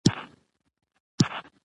چي په وروستیو کي ئې پر بازار اغېز کړی دی.